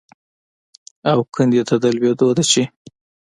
او کندې ته د لوېدو ده چې